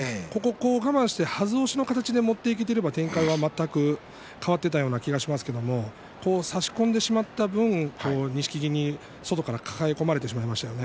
我慢して、はず押しの形で持っていければ展開は全く変わっていたような気がしますけれども差し込んでしまった分錦木に外から抱え込まれてしまいましたよね。